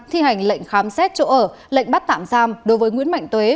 thi hành lệnh khám xét chỗ ở lệnh bắt tạm giam đối với nguyễn mạnh tuế